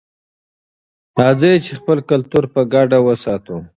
راځئ چې خپل کلتور په ګډه وساتو.